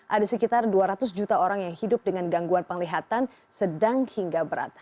ada sekitar dua ratus juta orang yang hidup dengan gangguan penglihatan sedang hingga berat